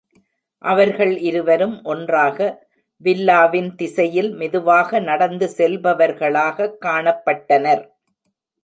அவர்கள் இருவரும் ஒன்றாக, வில்லாவின் திசையில் மெதுவாக நடந்து செல்பவர்களாகக் காணப்பட்டனர்.